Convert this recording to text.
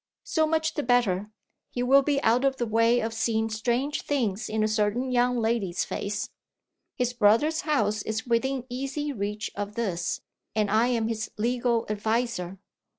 "So much the better. He will be out of the way of seeing strange things in a certain young lady's face. His brother's house is within easy reach of this; and I am his legal adviser.